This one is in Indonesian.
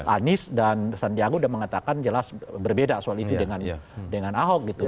anies dan sandiago udah mengatakan jelas berbeda soal itu dengan ahok gitu